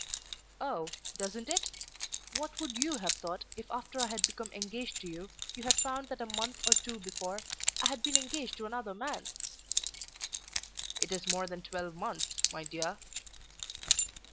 "Oh; doesn't it? What would you have thought if after I had become engaged to you you had found that a month or two before I had been engaged to another man?" "It is more than twelve months, my dear."